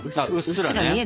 うっすらね。